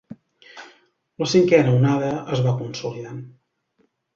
La cinquena onada es va consolidant.